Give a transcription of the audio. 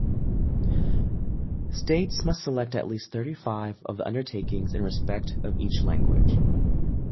States must select at least thirty-five of the undertakings in respect of each language.